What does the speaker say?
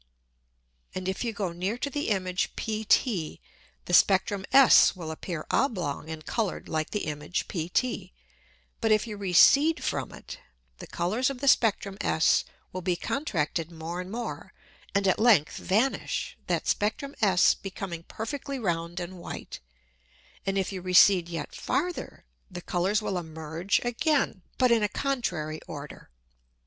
And if you go near to the Image PT, the Spectrum S will appear oblong and coloured like the Image PT; but if you recede from it, the Colours of the spectrum S will be contracted more and more, and at length vanish, that Spectrum S becoming perfectly round and white; and if you recede yet farther, the Colours will emerge again, but in a contrary Order.